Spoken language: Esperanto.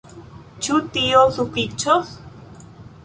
Ĉu tio sufiĉos?